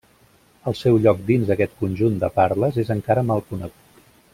El seu lloc dins aquest conjunt de parles és encara mal conegut.